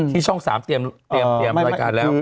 ช่อง๓เตรียมรายการแล้ว